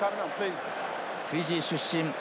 フィジー出身。